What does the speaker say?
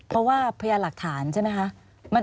เพราะว่าพยานหลักฐานใช่ไหมคะ